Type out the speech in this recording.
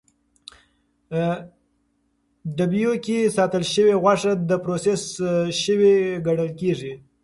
ډبیو کې ساتل شوې غوښه د پروسس شوې ګڼل کېږي.